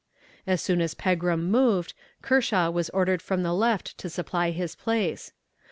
As soon as Pegram moved, Kershaw was ordered from the left to supply his place.